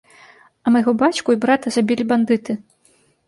А майго бацьку і брата забілі бандыты.